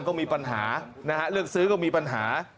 ก็มีปัญหานะฮะเลือกซื้อก็มีปัญหา